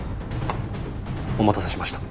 お待たせしました。